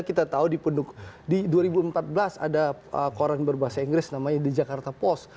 kita tahu di dua ribu empat belas ada koran berbahasa inggris namanya di jakarta post